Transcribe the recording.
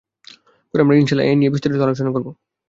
পরে আমরা ইনশাআল্লাহ এ বিষয়ে বিস্তারিত আলোচনা করব।